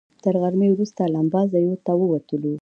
تر غرمې وروسته لمباځیو ته ووتلو.